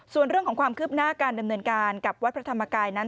ส่วนเรื่องของความคืบหน้าการดำเนินการกับวัดพระธรรมกายนั้น